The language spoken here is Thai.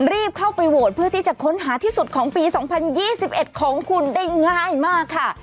รีบเข้าไปโหวตเพื่อที่จะค้นหาที่สุดของปี๒๐๒๑ของคุณได้ง่ายมากค่ะ